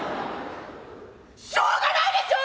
しょうがないでしょ！